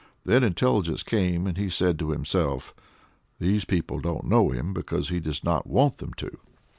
Then intelligence came, and he said to himself: "These people don't know him because he does not want them to."